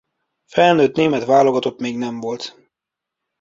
Felnőtt német válogatott még nem volt.